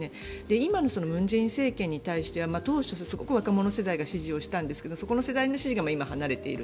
今の文在寅政権に対しては当初、すごく若者世代が支持をしたんですけどそこの世代の支持が今、離れている。